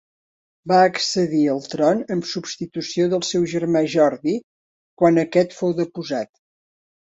Va accedir al tron en substitució del seu germà Jordi quan aquest fou deposat.